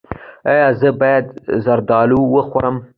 ایا زه باید زردالو وخورم؟